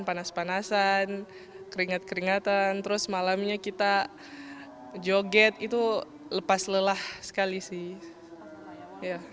panas panasan keringat keringatan terus malamnya kita joget itu lepas lelah sekali sih